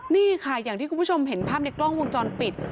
นี่ค่ะอย่างที่คุณผู้ชมเห็นภาพในกล้องวงจรปิด